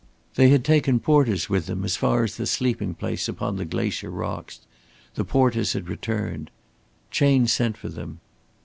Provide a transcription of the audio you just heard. They had taken porters with them as far as the sleeping place upon the glacier rocks. The porters had returned. Chayne sent for them.